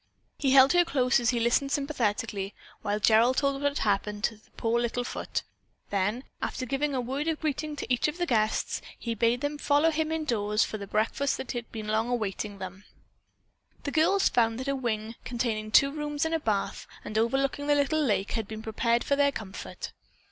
He held her close as he listened sympathetically while Gerald told what had happened to the poor little foot. Then, after giving a word of greeting to each of the guests, he bade them follow him indoors to the breakfast that had long been awaiting them. The girls found that a wing, containing two rooms and a bath, and overlooking the little lake, had been prepared for their comfort.